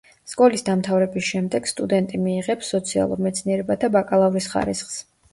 სკოლის დამთავრების შემდეგ სტუდენტი მიიღებს სოციალურ მეცნიერებათა ბაკალავრის ხარისხს.